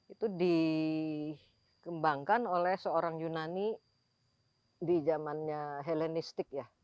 itu dikembangkan oleh seorang yunani di zamannya helenistik ya